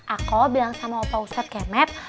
aku bilang sama opa ustad kemet